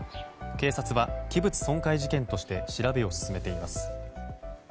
警察は器物損害事件として調べを進めています。